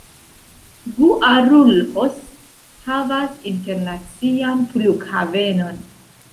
Guarulhos havas internacian flughavenon.